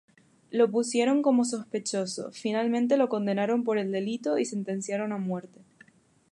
Lo pusieron como sospechoso, finalmente lo condenaron por el delito y sentenciaron a muerte.